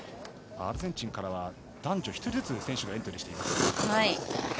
アルゼンチンからは男女１人ずつ選手がエントリーしています。